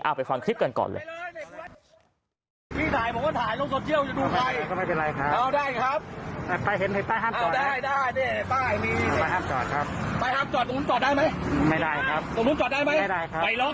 ไปฟังคลิปกันก่อนเลย